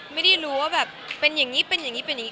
ไม่รู้ว่าแบบเป็นอย่างนี้เป็นอย่างนี้เป็นอย่างนี้